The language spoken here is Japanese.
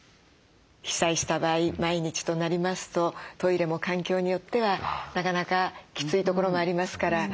被災した場合毎日となりますとトイレも環境によってはなかなかきついところもありますから。